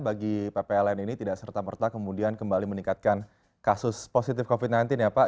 bagi ppln ini tidak serta merta kemudian kembali meningkatkan kasus positif covid sembilan belas ya pak